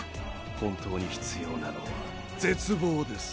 本当に必要なのは絶望です。